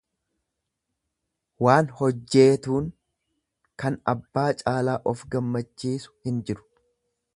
Waan hojjeetuun kan abbaa caalaa of gammachiisu hin jiru.